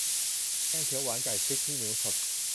แกงเขียวหวานไก่พริกขี้หนูสด